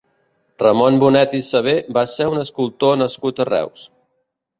Ramon Bonet i Savé va ser un escultor nascut a Reus.